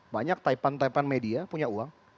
banyak taipan taipan media punya uang